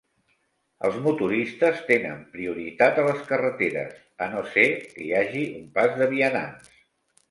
Els motoristes tenen prioritat a les carreteres a no ser que hi hagi un pas de vianants.